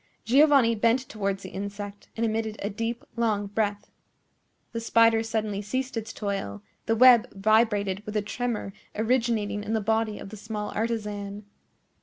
Giovanni bent towards the insect, and emitted a deep, long breath. The spider suddenly ceased its toil; the web vibrated with a tremor originating in the body of the small artisan.